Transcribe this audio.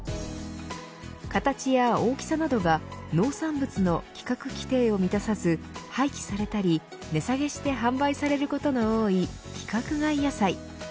形や大きさなどが農産物の規格規定を満たさず廃棄されたり値下げして販売されることの多い規格外野菜。